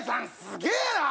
すげえな！